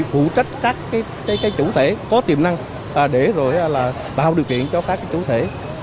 phụ trách các cái chủ thể có tiềm năng để rồi là bảo điều kiện cho các cái chủ thể